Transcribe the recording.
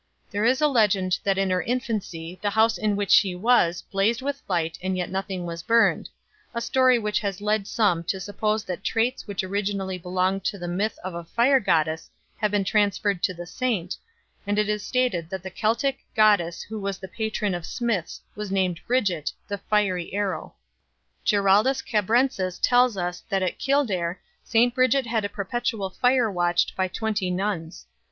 There is a legend that in her infancy the house in which she was blazed with light and yet nothing was burned a story which has led some to suppose that traits which originally belonged to the myth of a fire goddess have been transferred to the saint, and it is stated that the Celtic goddess who was the patron of smiths was named Brigit, "the fiery arrow." Giraldus Cambrensis tells us that at Kildare St Bridget had a perpetual fire watched by twenty nuns.